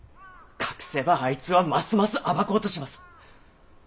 隠せばあいつはますます暴こうとします。